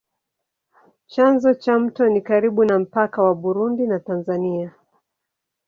Chanzo cha mto ni karibu na mpaka wa Burundi na Tanzania.